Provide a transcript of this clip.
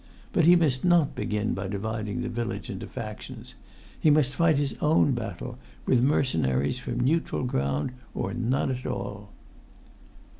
But he must not begin by dividing the village into factions; he must fight his own battle, with mercenaries from neutral ground, or none at all.